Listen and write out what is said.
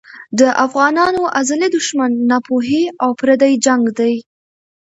د افغانانو ازلي دښمن ناپوهي او پردی جنګ دی.